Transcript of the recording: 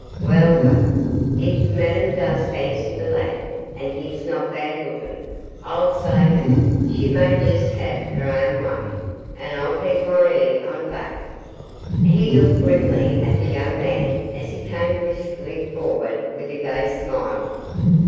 Weel, weel, if Madam does fancy the lad an' he's no bad lookin', I'll say that she may just hae her ain way, and I'll keep my e'e on baith.' He looked grimly at the young man as he came briskly forward with a gay smile.